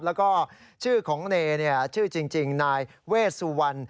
แล้วก็ชื่อของเนชื่อจริงนายเวชสุวรรณ